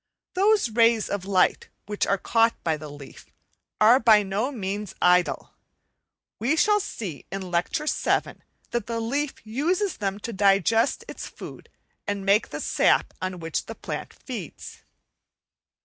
Those rays of light which are caught by the leaf are by no means idle; we shall see in Lecture VII that the leaf uses them to digest its food and make the sap on which the plant feeds.